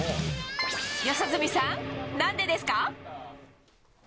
四十住さん、何でですか？